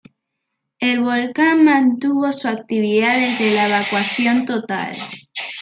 El volcán mantuvo su actividad desde la evacuación total.